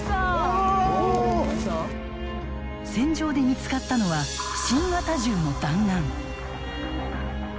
戦場で見つかったのは新型銃の弾丸。